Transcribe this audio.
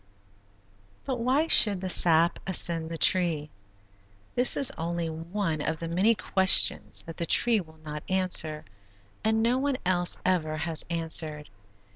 But why should the sap ascend the tree? This is only one of many questions that the tree will not answer and no one else ever has answered.